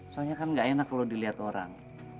soalnya kan gak enak kalau dilihat orang